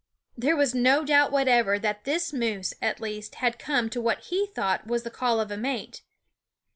There was no doubt whatever that this moose, at least, had come to what he thought was the call of a mate.